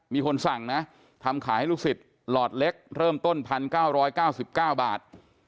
มีคนสั่งนะทำขายให้ลูกศิษย์หลอดเล็กเริ่มต้น๑๙๙๙บาท